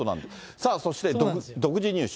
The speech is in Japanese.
さあそして、独自入手。